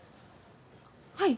はい。